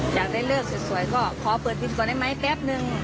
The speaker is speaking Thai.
อยากได้เลิกสวยก็ขอเปิดพิมพ์ก่อนได้ไหมแป๊บนึง